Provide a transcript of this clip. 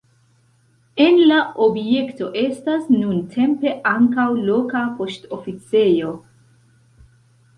En la objekto estas nuntempe ankaŭ loka poŝtoficejo.